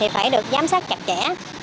phải được giám sát chặt chẽ